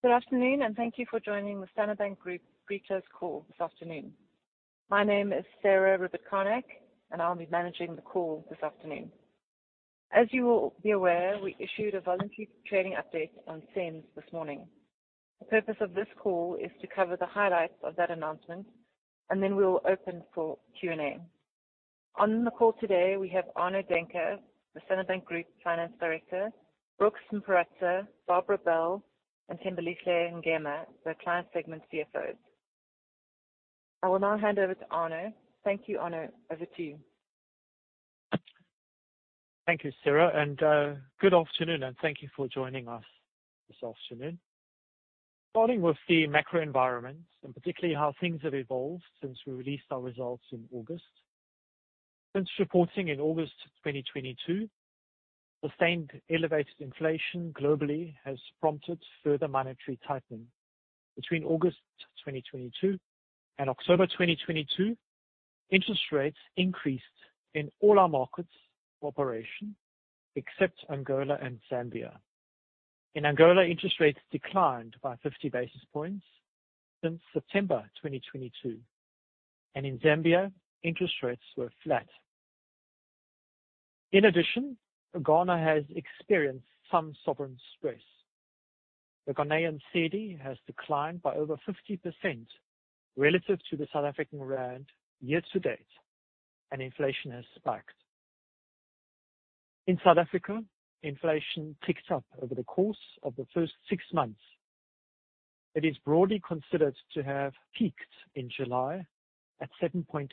Good afternoon. Thank you for joining the Standard Bank Group pre-close call this afternoon. My name is Sarah Rivett-Carnac. I'll be managing the call this afternoon. As you all be aware, we issued a voluntary trading update on SENS this morning. The purpose of this call is to cover the highlights of that announcement. Then we will open for Q&A. On the call today, we have Arno Daehnke, the Standard Bank Group finance director, Brooks Mparutsa, Barbara Bell, and Thembelihle Ngema, the client segment CFOs. I will now hand over to Arno. Thank you. Arno, over to you. Thank you, Sarah, and good afternoon, and thank you for joining us this afternoon. Starting with the macro environment and particularly how things have evolved since we released our results in August. Since reporting in August 2022, sustained elevated inflation globally has prompted further monetary tightening. Between August 2022 and October 2022, interest rates increased in all our markets operation, except Angola and Zambia. In Angola, interest rates declined by 50 basis points since September 2022, and in Zambia, interest rates were flat. Ghana has experienced some sovereign stress. The Ghanaian cedi has declined by over 50% relative to the South African rand year-to-date, and inflation has spiked. In South Africa, inflation ticks up over the course of the first six months. It is broadly considered to have peaked in July at 7.8%.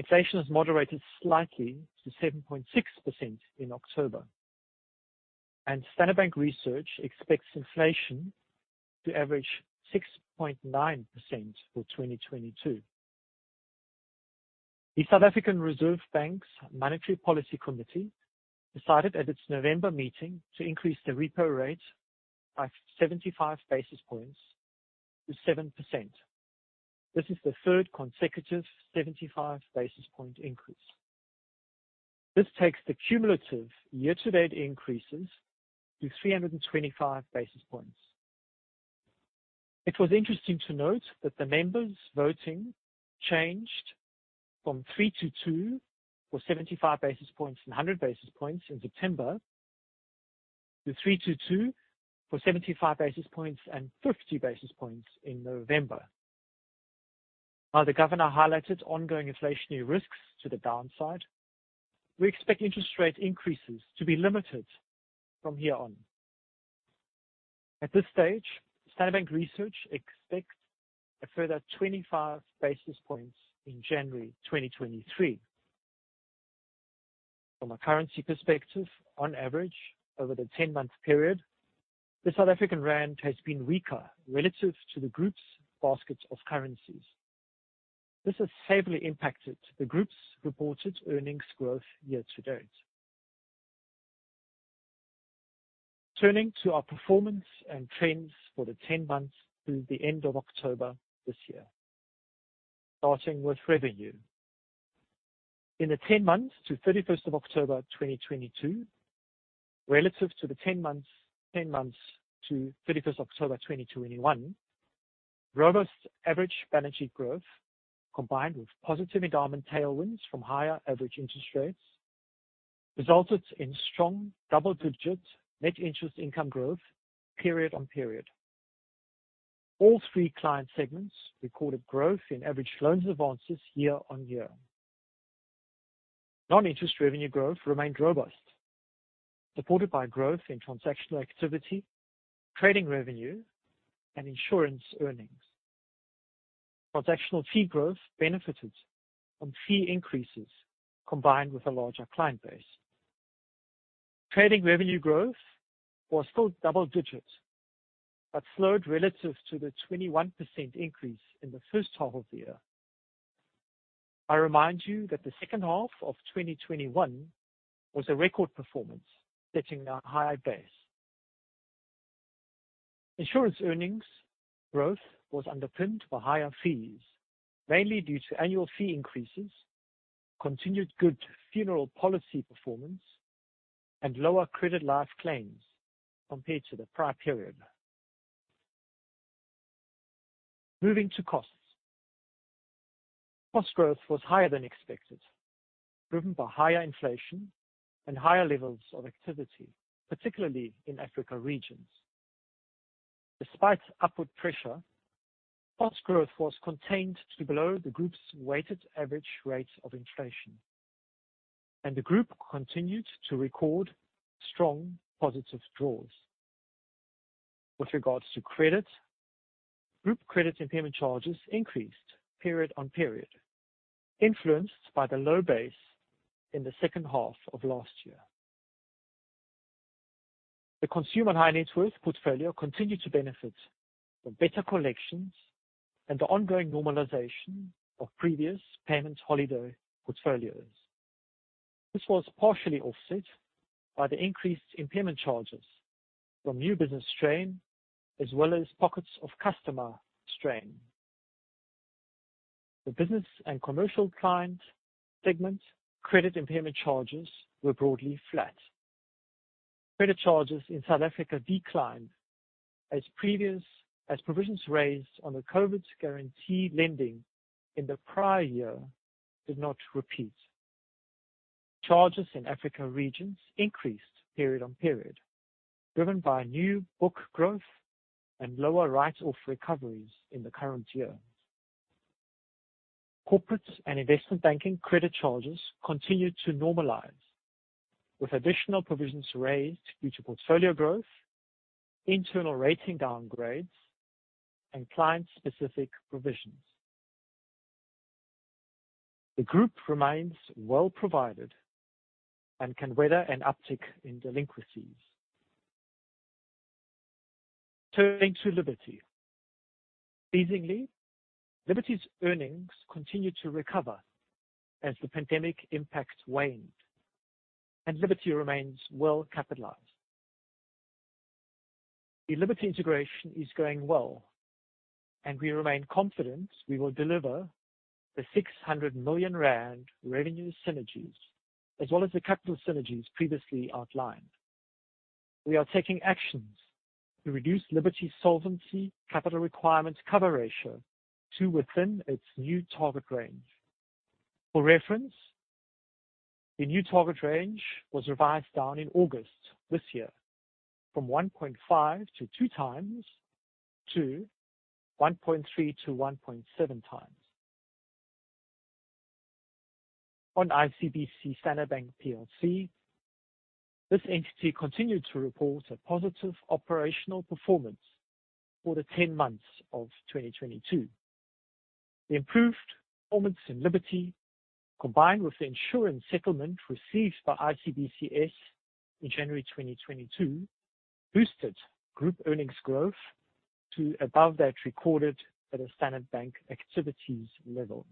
Inflation has moderated slightly to 7.6% in October. Standard Bank Research expects inflation to average 6.9% for 2022. The South African Reserve Bank's Monetary Policy Committee decided at its November meeting to increase the repo rate by 75 basis points to 7%. This is the third consecutive 75 basis point increase. This takes the cumulative year-to-date increases to 325 basis points. It was interesting to note that the members voting changed from three-two for 75 basis points and 100 basis points in September to three-two for 75 basis points and 50 basis points in November. While the governor highlighted ongoing inflationary risks to the downside, we expect interest rate increases to be limited from here on. At this stage, Standard Bank Research expects a further 25 basis points in January 2023. From a currency perspective, on average, over the 10-month period, the South African rand has been weaker relative to the group's basket of currencies. This has favorably impacted the group's reported earnings growth year-to-date. Turning to our performance and trends for the 10 months through the end of October this year. Starting with revenue. In the 10 months to 31st of October 2022, relative to the 10 months to 31st October 2021, robust average balance sheet growth, combined with positive endowment tailwinds from higher average interest rates, resulted in strong double-digit net interest income growth period on period. All three client segments recorded growth in average loans advances year-on-year. Non-interest revenue growth remained robust, supported by growth in transactional activity, trading revenue, and insurance earnings. Transactional fee growth benefited from fee increases combined with a larger client base. Trading revenue growth was still double digits, but slowed relative to the 21% increase in the first half of the year. I remind you that the second half of 2021 was a record performance, setting a high base. Insurance earnings growth was underpinned by higher fees, mainly due to annual fee increases, continued good funeral policy performance, and lower credit life claims compared to the prior period. Moving to costs. Cost growth was higher than expected, driven by higher inflation and higher levels of activity, particularly in Africa regions. Despite upward pressure, cost growth was contained to below the group's weighted average rate of inflation, and the group continued to record strong positive jaws. With regards to credit, group credit impairment charges increased period on period, influenced by the low base in the second half of last year. The Consumer and High Net Worth portfolio continued to benefit from better collections and the ongoing normalization of previous payment holiday portfolios. This was partially offset by the increased impairment charges from new business strain as well as pockets of customer strain. The Business and Commercial client segment credit impairment charges were broadly flat. Credit charges in South Africa declined as provisions raised on the COVID guaranteed lending in the prior year did not repeat. Charges in Africa regions increased period-on-period, driven by new book growth and lower write-off recoveries in the current year. Corporate and Investment Banking credit charges continued to normalize, with additional provisions raised due to portfolio growth, internal rating downgrades and client specific provisions. The group remains well provided and can weather an uptick in delinquencies. Turning to Liberty. Pleasingly, Liberty's earnings continued to recover as the pandemic impact waned. Liberty remains well capitalized. The Liberty integration is going well. We remain confident we will deliver the 600 million rand revenue synergies as well as the capital synergies previously outlined. We are taking actions to reduce Liberty Solvency Capital Requirement cover ratio to within its new target range. For reference, the new target range was revised down in August this year from 1.5x-2x to 1.3x-1.7x. ICBC Standard Bank Plc. This entity continued to report a positive operational performance for the 10 months of 2022. The improved performance in Liberty, combined with the insurance settlement received by ICBCS in January 2022, boosted group earnings growth to above that recorded at a Standard Bank activities level.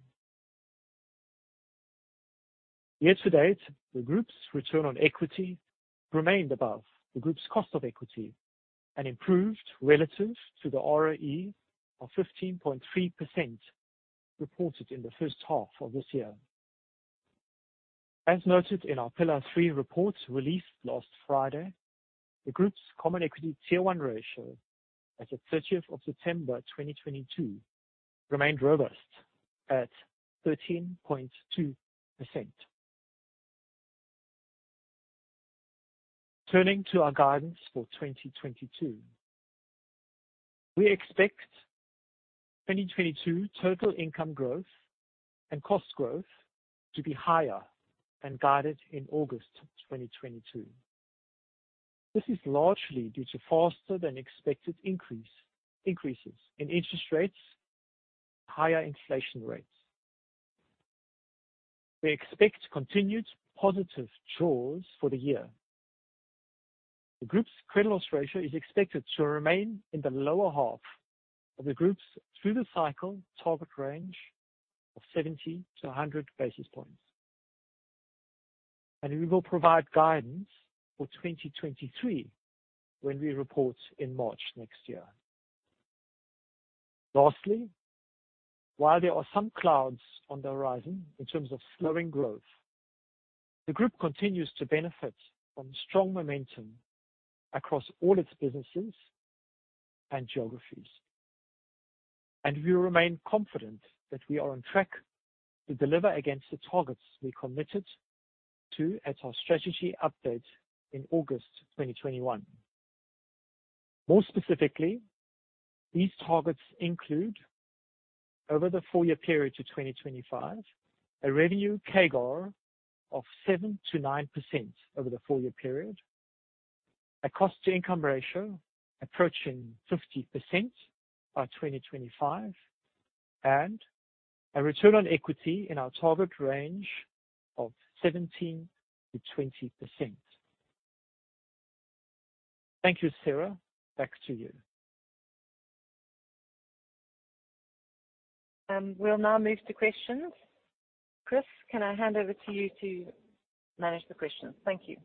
Year to date, the group's return on equity remained above the group's cost of equity and improved relative to the ROE of 15.3% reported in the first half of this year. As noted in our Pillar 3 report released last Friday, the group's common equity tier 1 ratio as at 30th of September 2022 remained robust at 13.2%. Turning to our guidance for 2022. We expect 2022 total income growth and cost growth to be higher than guided in August 2022. This is largely due to faster than expected increases in interest rates and higher inflation rates. We expect continued positive jaws for the year. The group's credit loss ratio is expected to remain in the lower half of the group's through the cycle target range of 70 basis points-100 basis points. We will provide guidance for 2023 when we report in March next year. Lastly, while there are some clouds on the horizon in terms of slowing growth, the group continues to benefit from strong momentum across all its businesses and geographies. We remain confident that we are on track to deliver against the targets we committed to at our strategy update in August 2021. More specifically, these targets include over the four-year period to 2025, a revenue CAGR of 7%-9% over the four-year period. A cost-to-income ratio approaching 50% by 2025. A return on equity in our target range of 17%-20%. Thank you. Sarah, back to you. We'll now move to questions. Chris, can I hand over to you to manage the questions? Thank you.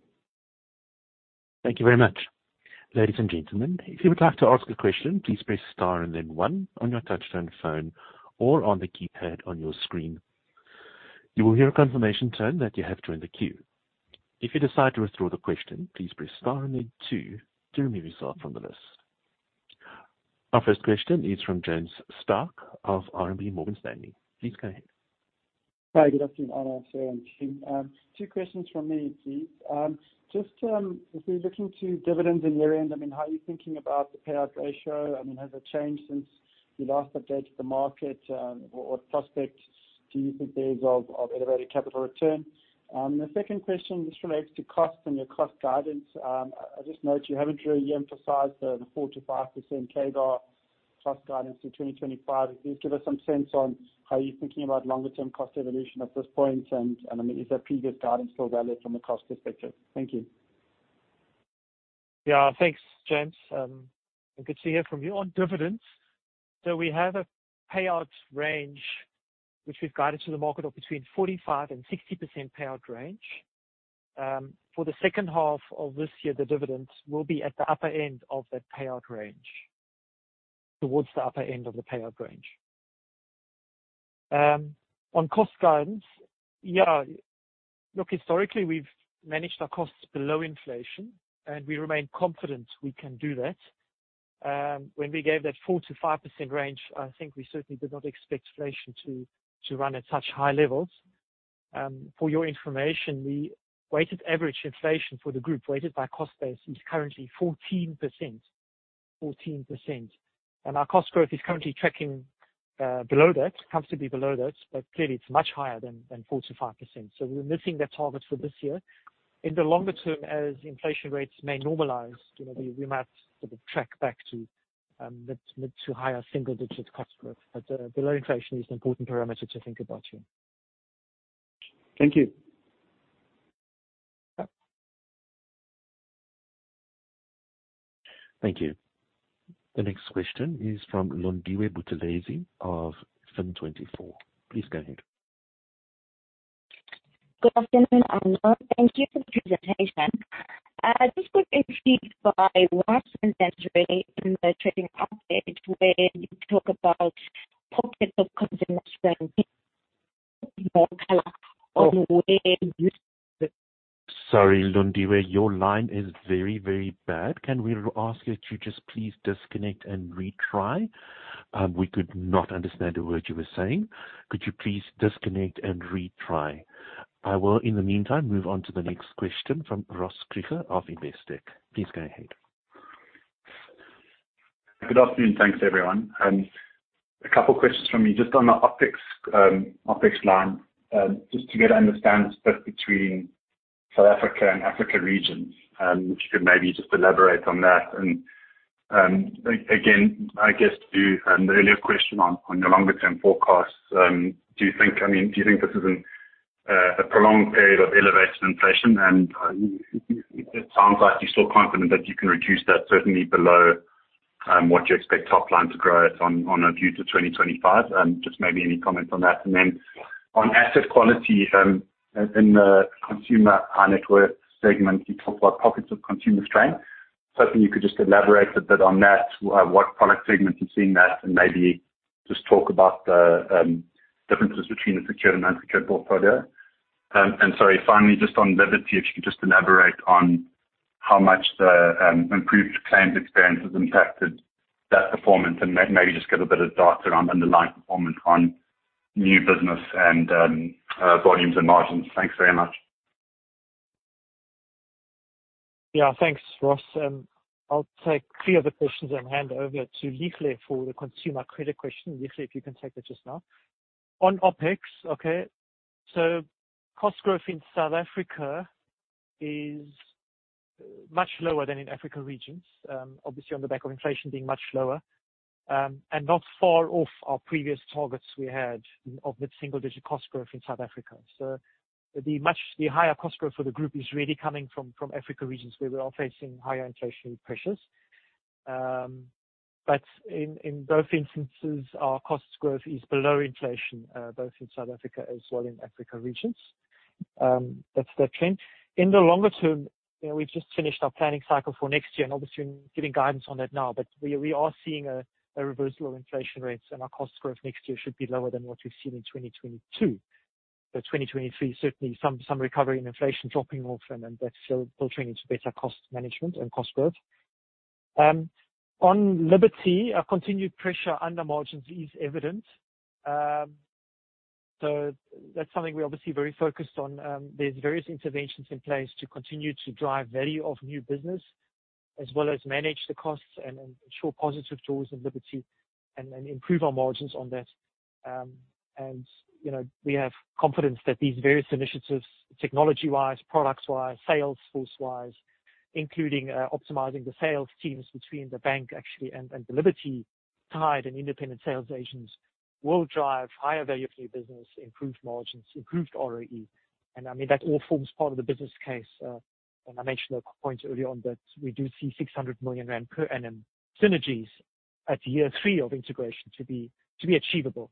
Thank you very much. Ladies and gentlemen, if you would like to ask a question, please press star and then one on your touchtone phone or on the keypad on your screen. You will hear a confirmation tone that you have joined the queue. If you decide to withdraw the question, please press star and then two to remove yourself from the list. Our first question is from James Starke of RMB Morgan Stanley. Please go ahead. Hi. Good afternoon, Arno, Sarah, and team. Two questions from me, please. As we look into dividends in year-end, I mean, how are you thinking about the payout ratio? I mean, has it changed since you last updated the market? What prospects do you think there is of elevated capital return? The second question just relates to cost and your cost guidance. I just note you haven't really emphasized the 4%-5% CAGR cost guidance through 2025. Can you give us some sense on how you're thinking about longer term cost evolution at this point? I mean, is that previous guidance still valid from a cost perspective? Thank you. Thanks, James. Good to hear from you. On dividends, we have a payout range which we've guided to the market of between 45% and 60% payout range. For the second half of this year, the dividends will be at the upper end of that payout range. Towards the upper end of the payout range. On cost guidance. Look, historically, we've managed our costs below inflation, we remain confident we can do that. When we gave that 4%-5% range, I think we certainly did not expect inflation to run at such high levels. For your information, we weighted average inflation for the group, weighted by cost base, is currently 14%. Our cost growth is currently tracking below that, comfortably below that. Clearly, it's much higher than 4%-5%. We're missing that target for this year. In the longer term, as inflation rates may normalize, you know, we might sort of track back to mid to higher single digit cost growth. Below inflation is an important parameter to think about here. Thank you. Yeah. Thank you. The next question is from Londiwe Buthelezi of Fin24. Please go ahead. Good afternoon, Arno. Thank you for the presentation. Just quickly by when exactly in the trading update where you talk about pockets of consumer strain? Sorry, Londiwe, your line is very, very bad. Can we ask that you just please disconnect and retry? We could not understand a word you were saying. Could you please disconnect and retry? I will, in the meantime, move on to the next question from Ross Krige of Investec. Please go ahead. Good afternoon. Thanks, everyone. A couple questions from me. Just on the OpEx line, just to get an understanding split between South Africa and Africa regions, if you could maybe just elaborate on that? Again, I guess to the earlier question on your longer term forecasts, do you think, I mean, do you think this is a prolonged period of elevated inflation? It sounds like you're still confident that you can reduce that certainly below what you expect top line to grow at on a view to 2025. Just maybe any comment on that. On asset quality, in the Consumer and High Net Worth segment, you talk about pockets of consumer strain. Hopefully you could just elaborate a bit on that. What product segments you're seeing that, and maybe just talk about the differences between the secured and unsecured portfolio. Sorry, finally, just on Liberty, if you could just elaborate on how much the improved claims experience has impacted that performance. Maybe just give a bit of data on underlying performance on new business and volumes and margins. Thanks very much. Yeah. Thanks, Ross. I'll take 3 of the questions and hand over to Lihle for the consumer credit question. Lihle, if you can take that just now. On OpEx, okay. Cost growth in South Africa is much lower than in Africa regions. Obviously on the back of inflation being much lower, not far off our previous targets we had of mid-single digit cost growth in South Africa. The higher cost growth for the group is really coming from Africa regions where we are facing higher inflationary pressures. In both instances, our cost growth is below inflation, both in South Africa as well in Africa regions. That's the trend. In the longer term, you know, we've just finished our planning cycle for next year obviously giving guidance on that now. We are seeing a reversal of inflation rates, and our cost growth next year should be lower than what we've seen in 2022. 2023, certainly some recovery in inflation dropping off, and then that's filtering into better cost management and cost growth. On Liberty, a continued pressure under margins is evident. That's something we're obviously very focused on. There's various interventions in place to continue to drive value of new business as well as manage the costs and ensure positive jaws in Liberty and improve our margins on that. You know, we have confidence that these various initiatives, technology-wise, products-wise, sales force-wise, including optimizing the sales teams between the bank actually and the Liberty tied and independent sales agents, will drive higher value for your business, improved margins, improved ROE. I mean, that all forms part of the business case. I mentioned a point earlier on that we do see 600 million rand per annum synergies at year three of integration to be achievable.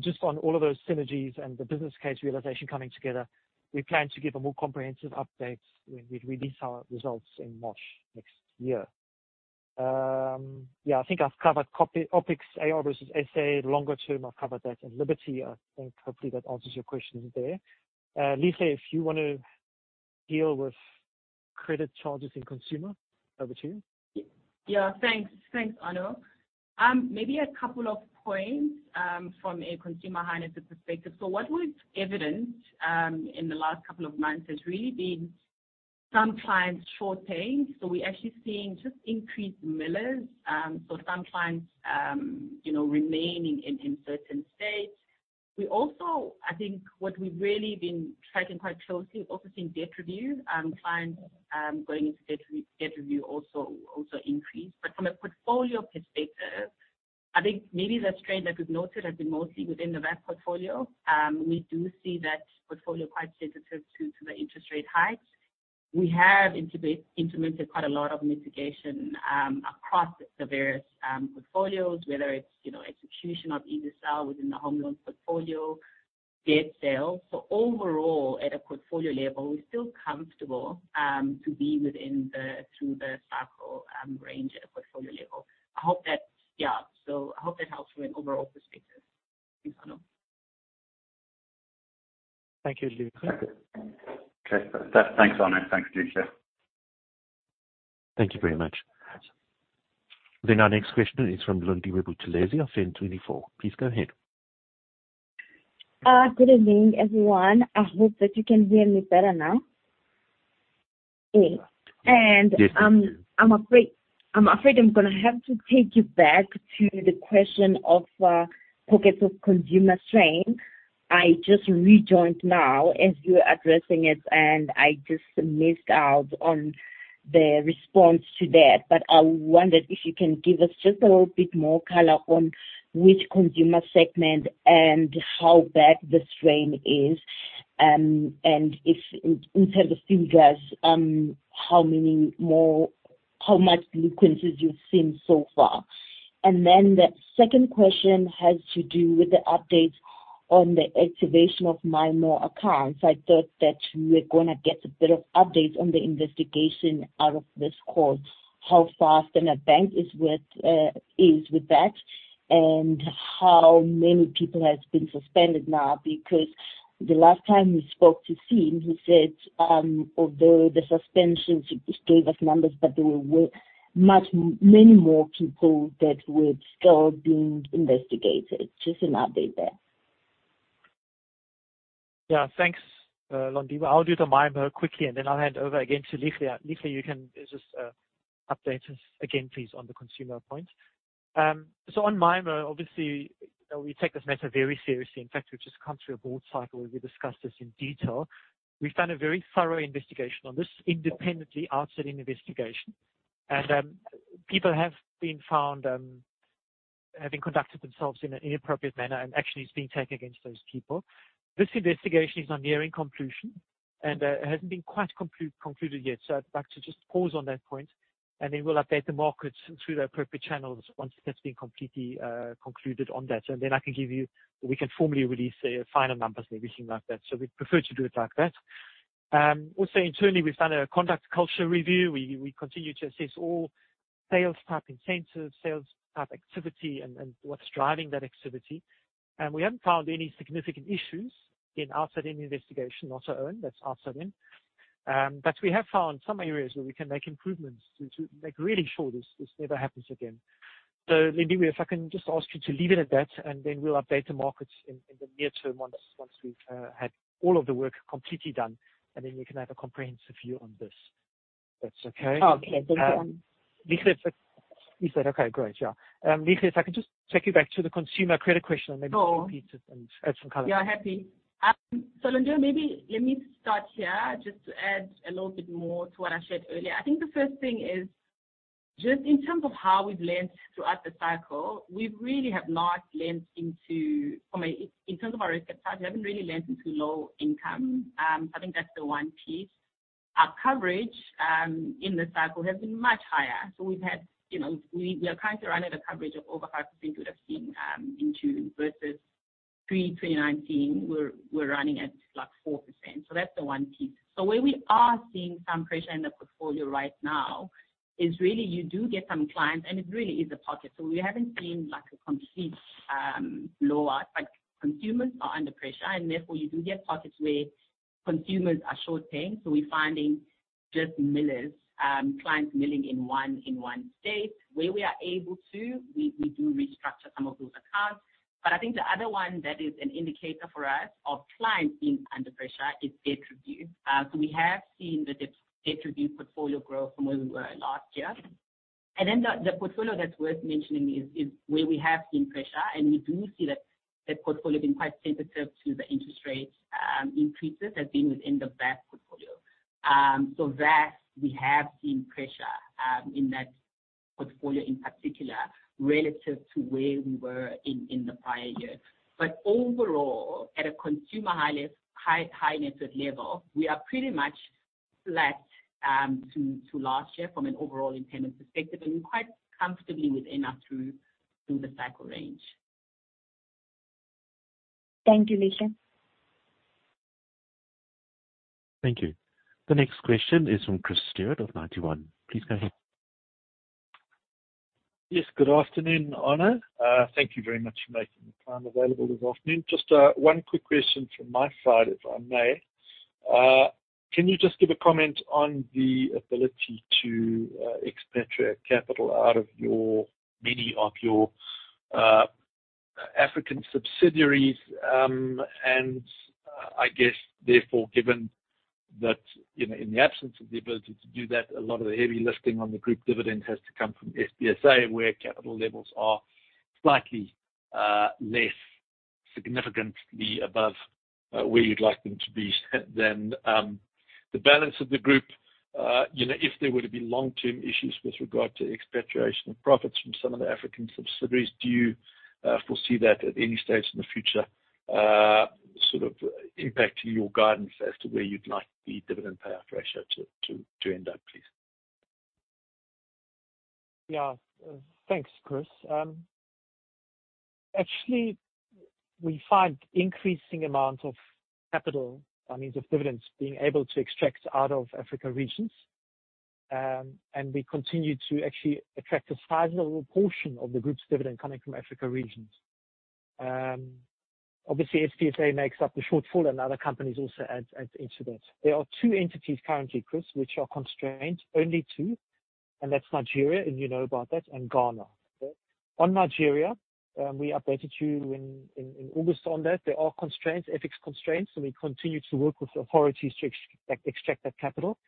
Just on all of those synergies and the business case realization coming together, we plan to give a more comprehensive update when we release our results in March next year. Yeah, I think I've covered OpEx, AR versus SA. Longer term, I've covered that. Liberty, I think hopefully that answers your questions there. Lihle, if you wanna deal with credit charges in Consumer. Over to you. Yeah. Thanks. Thanks, Arno. Maybe a couple of points from a Consumer and High Net Worth perspective. What was evident in the last couple of months has really been some clients short paying. We're actually seeing just increased milling, some clients, you know, remaining in certain states. We also, I think what we've really been tracking quite closely, we've also seen debt review clients going into debt review also increased. From a portfolio perspective, I think maybe the strain that we've noted has been mostly within the VAF portfolio. We do see that portfolio quite sensitive to the interest rate hikes. We have implemented quite a lot of mitigation across the various portfolios, whether it's, you know, execution of EasySell within the home loans portfolio, debt sales. Overall, at a portfolio level, we're still comfortable, to be within the, through the cycle, range at a portfolio level. I hope that helps from an overall perspective. Thanks, Arno. Thank you, Lihle. Okay. Thanks, Arno. Thanks, Lihle. Thank you very much. Our next question is from Londiwe Buthelezi of Fin24. Please go ahead. Good evening, everyone. I hope that you can hear me better now. Yes. I'm afraid I'm gonna have to take you back to the question of pockets of consumer strain. I just rejoined now as you were addressing it, I just missed out on the response to that. I wondered if you can give us just a little bit more color on which consumer segment and how bad the strain is. If, in terms of figures, how many more, how much delinquencies you've seen so far. The second question has to do with the updates on the activation of MyMo accounts. I thought that we were gonna get a bit of updates on the investigation out of this call. How fast then a bank is with that, how many people has been suspended now? The last time we spoke to Steve, he said, although the suspensions, he gave us numbers, but there were way, much, many more people that were still being investigated. Just an update there. Yeah. Thanks, Londiwe. I'll do the MyMo quickly, and then I'll hand over again to Lihle. Lihle, you can just update us again, please, on the consumer point. On MyMo, obviously, you know, we take this matter very seriously. In fact, we've just come through a board cycle where we discussed this in detail. We've done a very thorough investigation on this, independently, our setting investigation. People have been found having conducted themselves in an inappropriate manner, and action is being taken against those people. This investigation is now nearing conclusion, it hasn't been quite concluded yet. I'd like to just pause on that point, we'll update the market through the appropriate channels once that's been completely concluded on that. I can give you... We can formally release the final numbers and everything like that. We prefer to do it like that. Also internally, we've done a conduct culture review. We continue to assess all sales type incentives, sales type activity and what's driving that activity. We haven't found any significant issues in our setting investigation, not our own. That's our setting. We have found some areas where we can make improvements to make really sure this never happens again. Londiwe, if I can just ask you to leave it at that, we'll update the markets in the near term once we've had all of the work completely done, you can have a comprehensive view on this, if that's okay. Okay. Thank you. Lihle, if. You said okay. Great. Yeah. Lihle, if I can just take you back to the consumer credit question and. Sure. repeat it and add some color. Yeah. Happy. Londiwe, maybe let me start here, just to add a little bit more to what I shared earlier. I think the first thing is, just in terms of how we've lent throughout the cycle, we really have not lent into in terms of our risk appetite, we haven't really lent into low income. I think that's the one piece. Our coverage in the cycle has been much higher. We've had, you know, we are currently running a coverage of over 5% we would have seen in June, versus pre-2019, we're running at, like, 4%. That's the one piece. Where we are seeing some pressure in the portfolio right now is really you do get some clients, and it really is a pocket. We haven't seen, like, a complete blowout, but consumers are under pressure, and therefore you do get pockets where consumers are short paying. We're finding just rollovers, clients milling in one state. Where we are able to, we do restructure some of those accounts. I think the other one that is an indicator for us of clients being under pressure is debt review. We have seen the debt review portfolio grow from where we were last year. The portfolio that's worth mentioning is where we have seen pressure, and we do see that the portfolio has been quite sensitive to the interest rates, increases, has been within the VAF portfolio. That we have seen pressure, in that portfolio in particular relative to where we were in the prior year. Overall, at a Consumer High Net Worth level, we are pretty much flat to last year from an overall impairment perspective, and we're quite comfortably within our through the cycle range. Thank you, Lihle. Thank you. The next question is from Chris Steward of Ninety One. Please go ahead. Yes. Good afternoon, Arno. Thank you very much for making the time available this afternoon. Just one quick question from my side, if I may. Can you just give a comment on the ability to expatriate capital out of your, many of your African subsidiaries? I guess therefore, given that, you know, in the absence of the ability to do that, a lot of the heavy lifting on the group dividend has to come from SBSA, where capital levels are slightly less significantly above where you'd like them to be than the balance of the group. You know, if there were to be long-term issues with regard to expatriation of profits from some of the African subsidiaries, do you foresee that at any stage in the future? Sort of impact your guidance as to where you'd like the dividend payout ratio to end up, please. Yeah. Thanks, Chris. Actually, we find increasing amounts of capital, I mean, of dividends being able to extract out of Africa regions. We continue to actually attract a sizable portion of the group's dividend coming from Africa regions. Obviously, FTSA makes up the shortfall and other companies also adds into that. There are 2 entities currently, Chris, which are constrained, only 2, and that's Nigeria, and you know about that, and Ghana. On Nigeria, we updated you in August on that. There are constraints, FX constraints. We continue to work with authorities to extract that capital.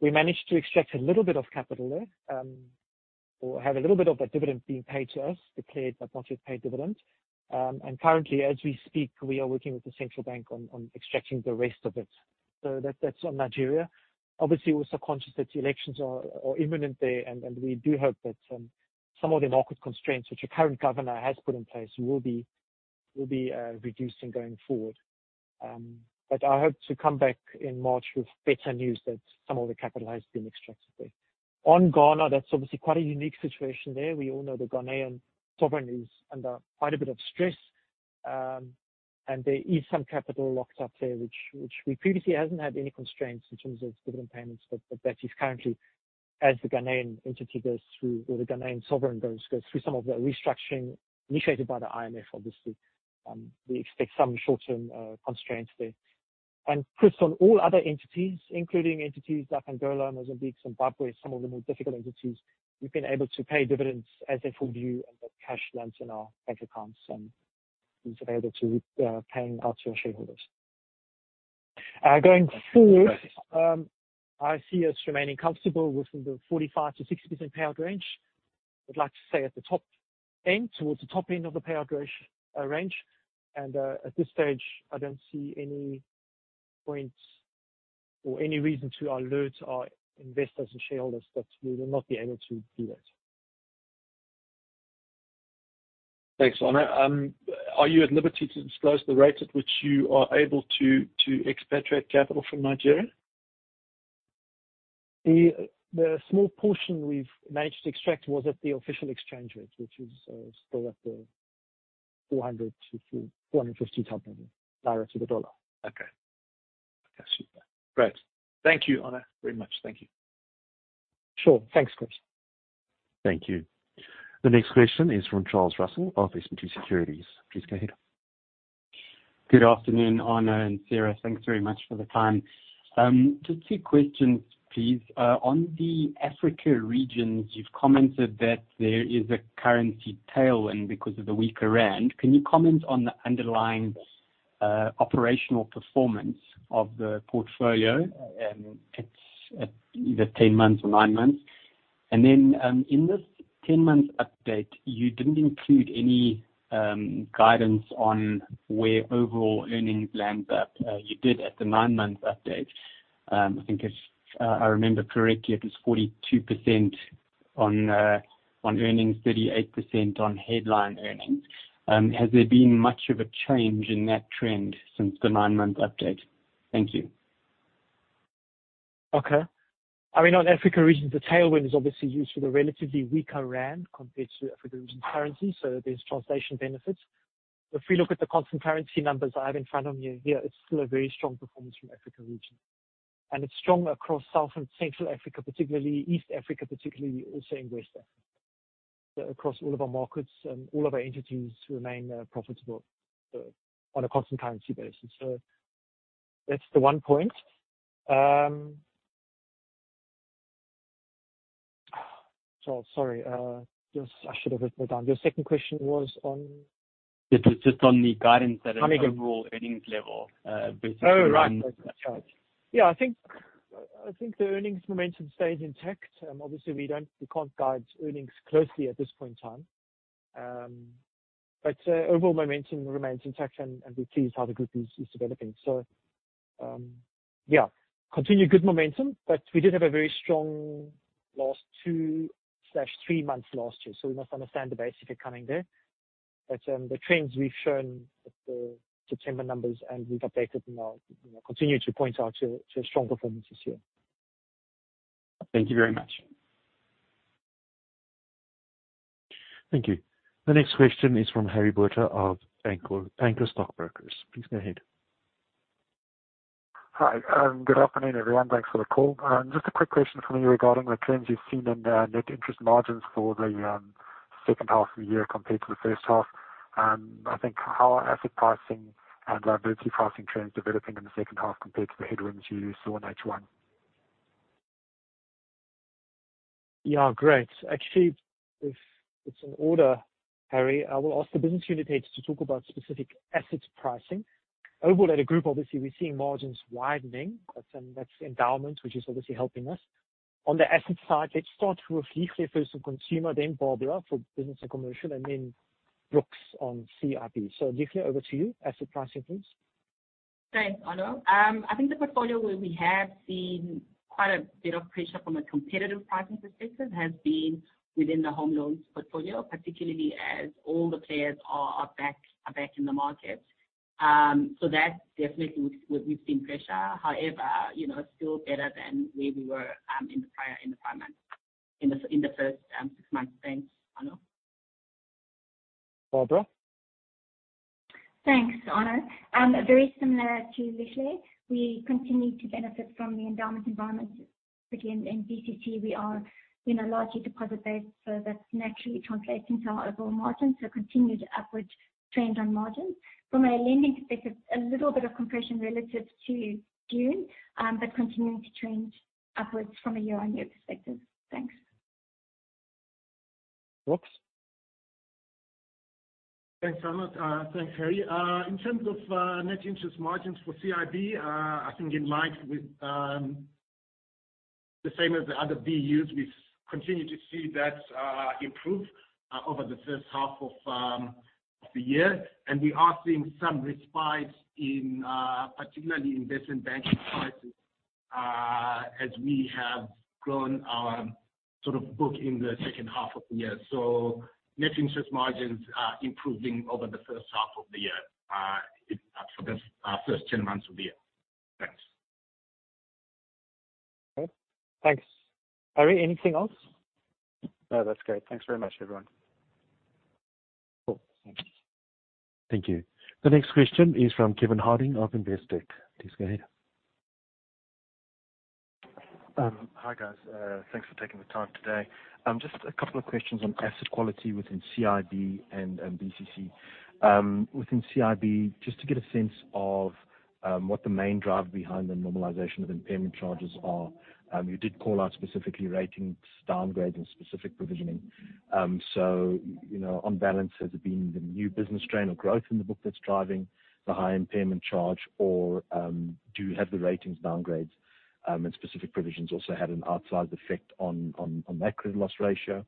We managed to extract a little bit of capital there, or have a little bit of that dividend being paid to us, declared but not yet paid dividend. Currently, as we speak, we are working with the central bank on extracting the rest of it. That's on Nigeria. Obviously, we're also conscious that the elections are imminent there, and we do hope that some of the market constraints, which the current governor has put in place will be reduced in going forward. I hope to come back in March with better news that some of the capital has been extracted there. On Ghana, that's obviously quite a unique situation there. We all know the Ghanaian sovereign is under quite a bit of stress, and there is some capital locked up there, which previously hasn't had any constraints in terms of dividend payments. That is currently as the Ghanaian entity goes through, or the Ghanaian sovereign goes through some of the restructuring initiated by the IMF, obviously, we expect some short-term constraints there. Chris, on all other entities, including entities like Angolan, Mozambique, Zimbabwe, some of the more difficult entities, we've been able to pay dividends as they fall due and the cash lands in our bank accounts, and is available to paying out to our shareholders. Going forward, I see us remaining comfortable within the 45%-60% payout range. I'd like to say at the top end, towards the top end of the payout range. At this stage, I don't see any points or any reason to alert our investors and shareholders that we will not be able to do that. Thanks, Arno. Are you at liberty to disclose the rate at which you are able to expatriate capital from Nigeria? The small portion we've managed to extract was at the official exchange rate, which is still at the 400-450 type level naira to the dollar. Okay. Okay, super. Great. Thank you, Arno, very much. Thank you. Sure. Thanks, Chris. Thank you. The next question is from Charles Russell of SBG Securities. Please go ahead. Good afternoon, Arno and Sarah. Thanks very much for the time. Just 2 questions, please. On the Africa regions, you've commented that there is a currency tailwind because of the weaker South African rand. Can you comment on the underlying, operational performance of the portfolio, at either 10 months or nine months? Then, in this 10-month update, you didn't include any guidance on where overall earnings lands up. You did at the nine-month update. I think it's, I remember correctly, it was 42% on earnings, 38% on headline earnings. Has there been much of a change in that trend since the nine-month update? Thank you. Okay. I mean, on Africa regions, the tailwind is obviously used for the relatively weaker rand compared to Africa regions currency, there's translation benefits. If we look at the constant currency numbers I have in front of me here, it's still a very strong performance from Africa region. It's strong across South and Central Africa, particularly East Africa, particularly also in West Africa. Across all of our markets and all of our entities remain profitable on a constant currency basis. That's the one point. Sorry, I should have written that down. Your second question was on? It was just on the guidance. Coming. -an overall earnings level, Oh, right. Based on current chart. Yeah, I think the earnings momentum stays intact. Obviously we don't, we can't guide earnings closely at this point in time. Overall momentum remains intact and we're pleased how the group is developing. Continue good momentum, but we did have a very strong last 2 slash 3 months last year. We must understand the base effect coming there. The trends we've shown at the September numbers, and we've updated and are, you know, continue to point out to strong performances here. Thank you very much. Thank you. The next question is from Harry Botha of Bank of America. Please go ahead. Hi. Good afternoon, everyone. Thanks for the call. Just a quick question from me regarding the trends you've seen in net interest margins for the second half of the year compared to the first half. I think how are asset pricing and liability pricing trends developing in the second half compared to the headwinds you saw in H1? Yeah. Great. Actually, if it's in order, Harry, I will ask the business unit heads to talk about specific assets pricing. Overall, at a group, obviously we're seeing margins widening. That's endowment, which is obviously helping us. On the asset side, let's start with Lihle first on consumer, then Barbara for Business and Commercial, and then Brooks on CIB. Lihle, over to you, asset pricing, please. Thanks, Arno. I think the portfolio where we have seen quite a bit of pressure from a competitive pricing perspective has been within the home loans portfolio, particularly as all the players are back in the market. That definitely we've seen pressure. However, you know, still better than where we were in the first six months. Thanks, Arno. Barbara? Thanks, Arno. Very similar to Lihle. We continue to benefit from the endowment environment. Particularly in BCC, we are, you know, largely deposit based, so that naturally translates into our overall margins, so continued upward trend on margins. From a lending perspective, a little bit of compression relative to June, continuing to trend upwards from a year-on-year perspective. Thanks. Brooks? Thanks, Arno. Thanks, Harry. In terms of net interest margins for CIB, I think in line with the same as the other BUs, we continue to see that improve over the first half of the year. We are seeing some respite in particularly investment banking prices as we have grown our sort of book in the second half of the year. Net interest margins are improving over the first half of the year for the first 10 months of the year. Thanks. Okay, thanks. Harry, anything else? No, that's great. Thanks very much, everyone. Cool. Thank you. The next question is from Kevin Harding, Investec Securities. Please go ahead. Hi, guys. Thanks for taking the time today. Just a couple of questions on asset quality within CIB and BCC. Within CIB, just to get a sense of what the main driver behind the normalization of impairment charges are. You did call out specifically ratings downgrade and specific provisioning. You know, on balance, has it been the new business strain or growth in the book that's driving the high impairment charge or do have the ratings downgrades and specific provisions also had an outsized effect on that credit loss ratio?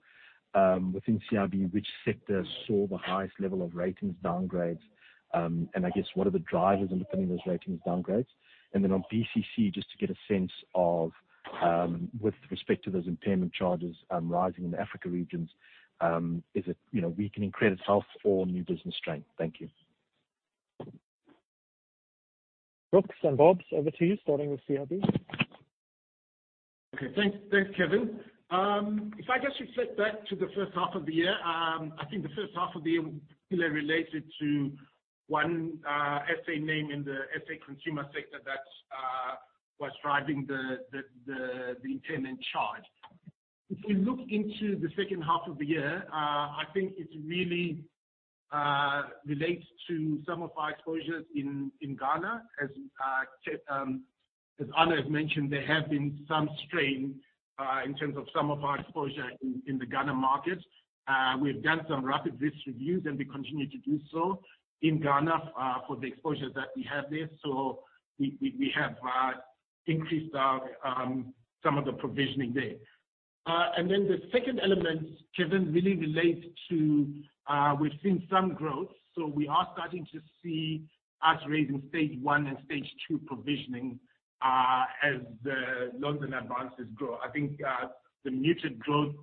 Within CIB, which sectors saw the highest level of ratings downgrades? I guess what are the drivers underpinning those ratings downgrades? On BCC, just to get a sense of, with respect to those impairment charges, rising in the Africa regions, is it, you know, weakening credit health or new business strength? Thank you. Brooks and Barbara, over to you, starting with CIB. Okay. Thanks, thanks, Kevin. If I just reflect back to the first half of the year, I think the first half of the year particularly related to one SA name in the SA consumer sector that was driving the impairment charge. If we look into the second half of the year, I think it really relates to some of our exposures in Ghana. As Arno has mentioned, there have been some strain in terms of some of our exposure in the Ghana market. We've done some rapid risk reviews, and we continue to do so in Ghana, for the exposures that we have there. We have increased our some of the provisioning there. The second element, Kevin, really relates to, we've seen some growth, so we are starting to see us raising Stage one and Stage two provisioning, as the loan advances grow. I think, the muted growth,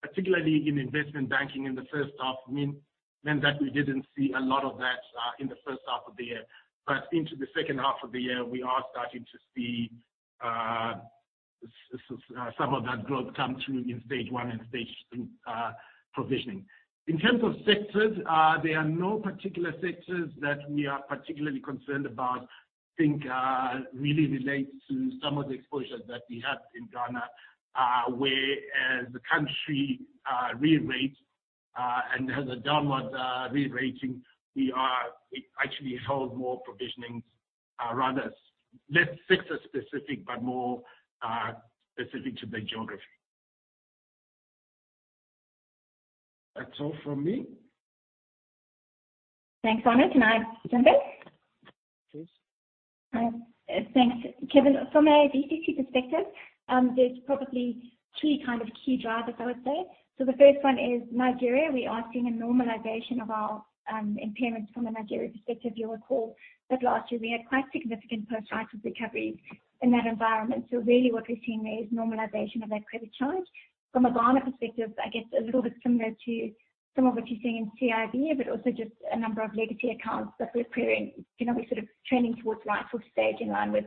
particularly in investment banking in the first half meant that we didn't see a lot of that, in the first half of the year. Into the second half of the year, we are starting to see, some of that growth come through in Stage one and Stage two provisioning. In terms of sectors, there are no particular sectors that we are particularly concerned about. I think, really relates to some of the exposures that we have in Ghana, where as the country re-rates and has a downward re-rating, we actually held more provisionings, rather less sector specific, but more specific to the geography. That's all from me. Thanks, Arno. Can I jump in? Please. Thanks, Kevin. From a BCC perspective, there's probably two kind of key drivers, I would say. The first one is Nigeria. We are seeing a normalization of our impairments from a Nigeria perspective. You'll recall that last year we had quite significant post-crisis recovery in that environment. Really what we're seeing there is normalization of that credit charge. From a Ghana perspective, I guess a little bit similar to some of what you're seeing in CIB, but also just a number of legacy accounts that we're clearing, you know, we're sort of trending towards rightful stage in line with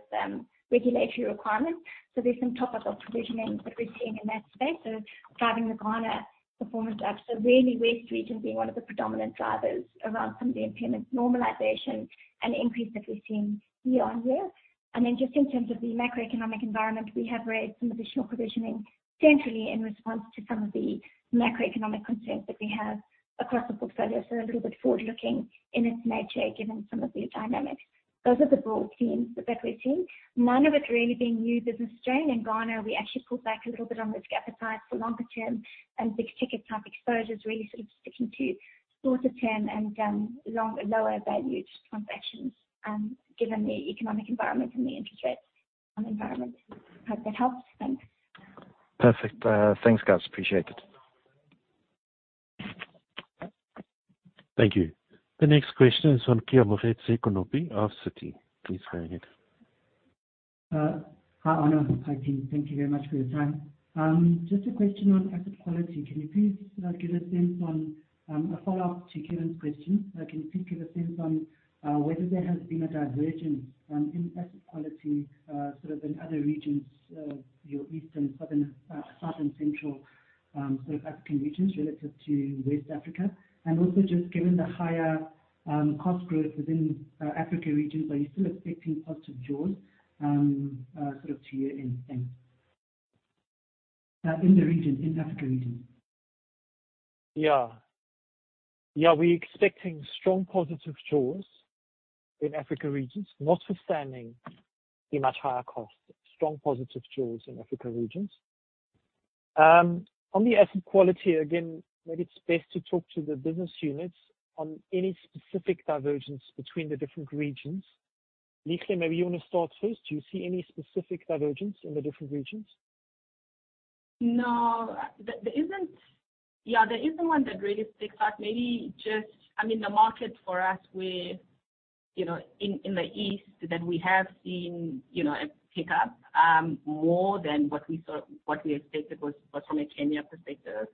regulatory requirements. There's some top-up of provisioning that we're seeing in that space. Driving the Ghana performance up. Really West Region being one of the predominant drivers around some of the impairment normalization and increase that we're seeing year on year. Just in terms of the macroeconomic environment, we have raised some additional provisioning centrally in response to some of the macroeconomic concerns that we have across the portfolio. A little bit forward looking in its nature, given some of the dynamics. Those are the broad themes that we're seeing. None of it really being new business strain. In Ghana, we actually pulled back a little bit on risk appetite for longer term and big ticket type exposures. We're sort of sticking to shorter term and long, lower valued transactions, given the economic environment and the interest rates environment. Hope that helps. Thanks. Perfect. Thanks, guys. Appreciate it. Thank you. The next question is from Keamogetse Konopi of Citi. Please go ahead. Hi, Arno. Hi, team. Thank you very much for your time. Just a question on asset quality. Can you please give a sense on a follow-up to Kevin's question. Can you please give a sense on whether there has been a diversion in asset quality sort of in other regions, your eastern, southern, south, and central African regions relative to West Africa? Also just given the higher cost growth within Africa region, are you still expecting positive jaws sort of year end in the Africa region? Yeah, we're expecting strong positive jaws in Africa regions, notwithstanding the much higher costs. Strong positive jaws in Africa regions. On the asset quality, again, maybe it's best to talk to the business units on any specific divergence between the different regions. Lihle, maybe you wanna start first. Do you see any specific divergence in the different regions? No. There isn't one that really sticks out. Maybe just, I mean, the market for us where, you know, in the east that we have seen, you know, a pickup more than what we sort of, what we expected was from a Kenya perspective.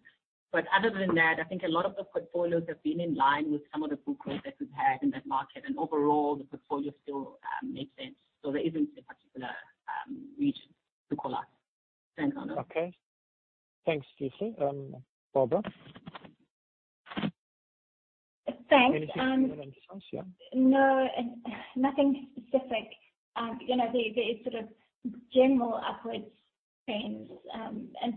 Other than that, I think a lot of the portfolios have been in line with some of the guardrails that we've had in that market. Overall, the portfolio still makes sense. There isn't a particular region to call out. Thanks, Arno. Okay. Thanks, Lihle. Barbara? Thanks. Anything you want to add on this one? Yeah. No. Nothing specific. You know, there is sort of general upwards trends,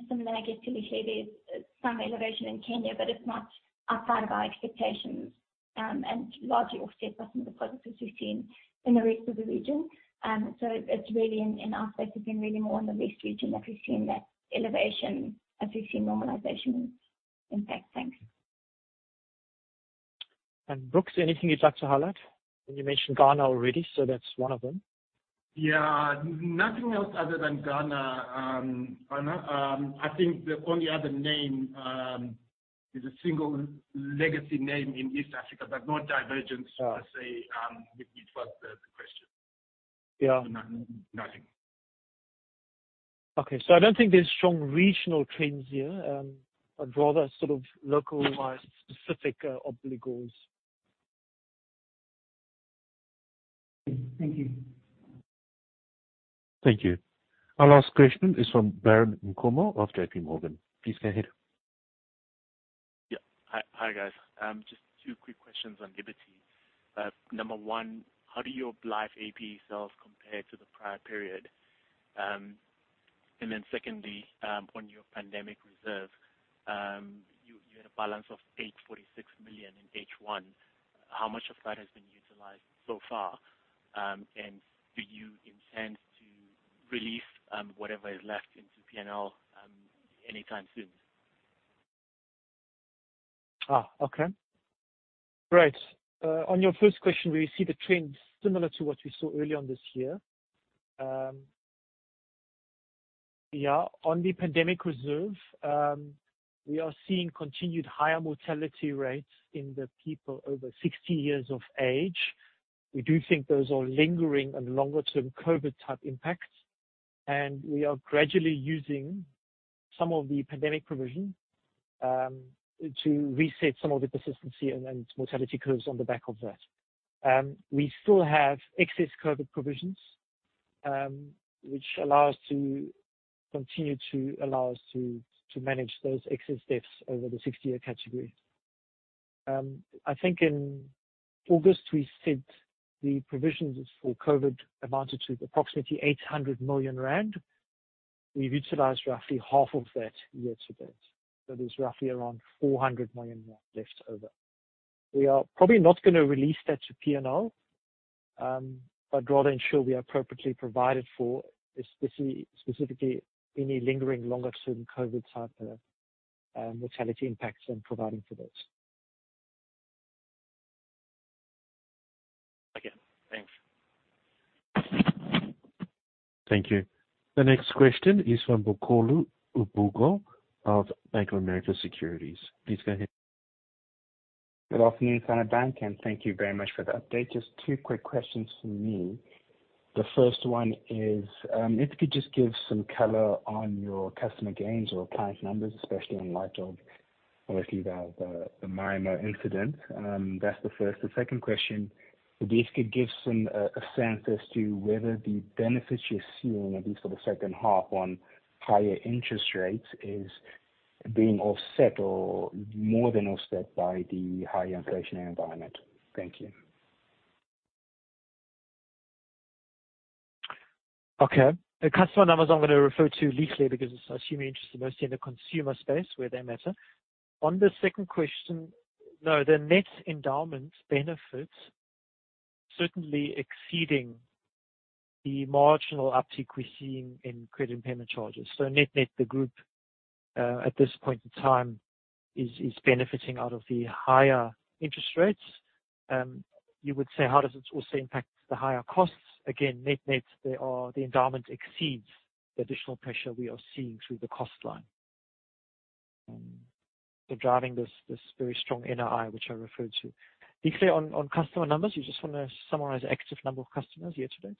Some of them I guess typically there's some elevation in Kenya, but it's not outside of our expectations, Largely offset by some of the positives we've seen in the rest of the region. It's really in our space, it's been really more on the West Region that we've seen that elevation as we've seen normalization. In fact. Thanks. Brooks, anything you'd like to highlight? You mentioned Ghana already, so that's one of them. Yeah. Nothing else other than Ghana. Arno, I think the only other name, is a single legacy name in East Africa, but not divergence- All right. per se, if it was the question. Yeah. Nothing. Okay. I don't think there's strong regional trends here. but rather sort of localized specific, obligors. Thank you. Thank you. Our last question is from Baron Nkomo of JPMorgan. Please go ahead. Yeah. Hi, guys. Just two quick questions on Liberty. Number one, how do your life APEs compare to the prior period? Secondly, on your pandemic reserve, you had a balance of 846 million in H1. How much of that has been utilized so far? Do you intend to release whatever is left into P&L anytime soon? Okay. Right. On your first question, we see the trends similar to what we saw early on this year. On the pandemic reserve, we are seeing continued higher mortality rates in the people over 60 years of age. We do think those are lingering and longer term COVID type impacts. We are gradually using some of the pandemic provision to reset some of the persistency and mortality curves on the back of that. We still have excess COVID provisions which allow us to continue to manage those excess deaths over the 60-year category. I think in August, we said the provisions for COVID amounted to approximately 800 million rand. We've utilized roughly half of that year-to-date. There's roughly around 400 million left over. We are probably not gonna release that to P&L, but rather ensure we are appropriately provided for, specifically any lingering longer term COVID type, mortality impacts and providing for those. Okay. Thanks. Thank you. The next question is from [Bakulu Mbhele] of BofA Securities. Please go ahead. Good afternoon, Standard Bank. Thank you very much for the update. Just two quick questions from me. The first one is, if you could just give some color on your customer gains or client numbers, especially in light of obviously the MyMo incident. That's the first. The second question, if you could give some a sense as to whether the benefits you're seeing at least for the second half on higher interest rates is being offset or more than offset by the higher inflationary environment. Thank you. Okay. The customer numbers I'm gonna refer to Lihle because I assume you're interested mostly in the consumer space where they matter. On the second question, no, the net endowments benefits certainly exceeding the marginal uptick we're seeing in credit impairment charges. Net-net the group at this point in time is benefiting out of the higher interest rates. You would say, how does it also impact the higher costs? Again, net-net they are, the endowment exceeds the additional pressure we are seeing through the cost line. Driving this very strong NII, which I referred to. Lihle, on customer numbers. You just wanna summarize active number of customers year-to-date.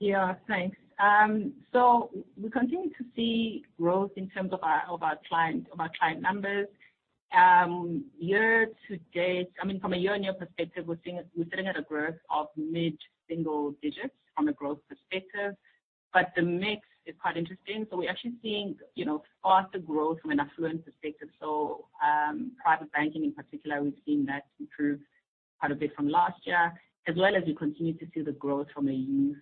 Yeah. Thanks. We continue to see growth in terms of our client numbers. year-to-date I mean, from a year-on-year perspective, we're sitting at a growth of mid-single digits from a growth perspective. The mix is quite interesting. We're actually seeing, you know, faster growth from an affluent perspective. private banking in particular, we've seen that improve quite a bit from last year. As well as we continue to see the growth from a youth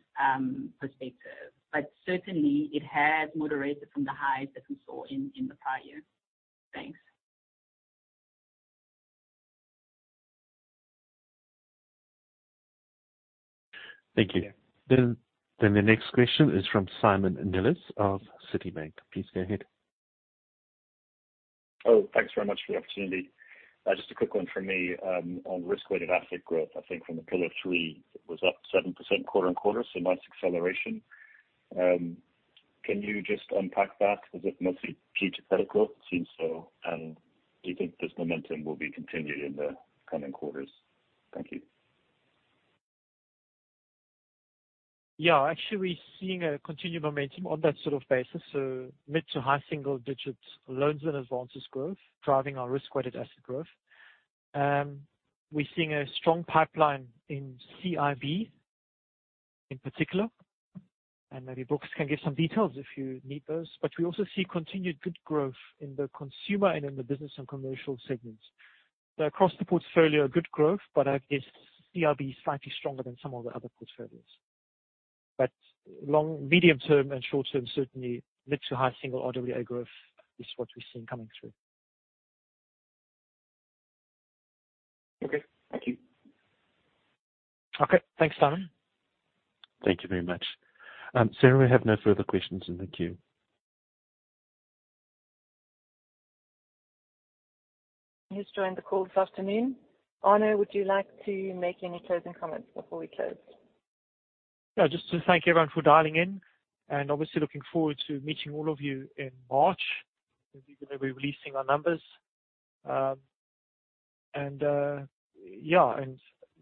perspective. Certainly it has moderated from the highs that we saw in the prior year. Thanks. Thank you. The next question is from Simon Nellis of Citibank. Please go ahead. Oh, thanks very much for the opportunity. Just a quick one from me. On risk-weighted assets growth, I think from the Pillar three, it was up 7% quarter-on-quarter, so nice acceleration. Can you just unpack that? Was it mostly due to credit growth? It seems so. Do you think this momentum will be continued in the coming quarters? Thank you. Actually, we're seeing a continued momentum on that sort of basis. Mid to high single digits loans and advances growth driving our risk-weighted assets growth. We're seeing a strong pipeline in CIB in particular, and maybe Brooks can give some details if you need those. We also see continued good growth in the Consumer and in the Business and Commercial segments. Across the portfolio, good growth, but I guess CIB is slightly stronger than some of the other portfolios. Long, medium term and short term, certainly mid to high single RWA growth is what we're seeing coming through. Okay. Thank you. Okay. Thanks, Simon. Thank you very much. Sarah, we have no further questions in the queue. Who's joined the call this afternoon. Arno, would you like to make any closing comments before we close? Just to thank everyone for dialing in, obviously looking forward to meeting all of you in March, when we will be releasing our numbers.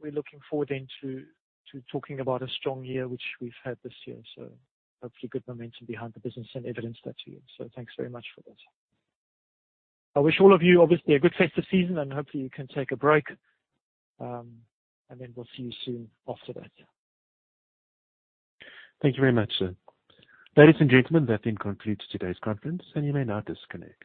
We're looking forward then to talking about a strong year, which we've had this year. Hopefully good momentum behind the business and evidence that to you. Thanks very much for this. I wish all of you obviously a good festive season, hopefully you can take a break, we'll see you soon after that. Thank you very much, sir. Ladies and gentlemen, that then concludes today's conference, and you may now disconnect.